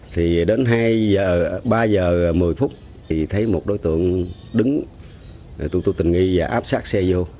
thì đến hai h ba giờ một mươi phút thì thấy một đối tượng đứng tụi tôi tình nghi và áp sát xe vô